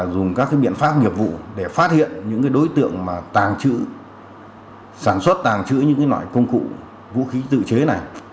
dùng các biện pháp nghiệp vụ để phát hiện những đối tượng tàng trữ sản xuất tàng trữ những loại công cụ vũ khí tự chế này